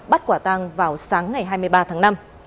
bắt quả tăng vào sáng ngày hai mươi ba tháng năm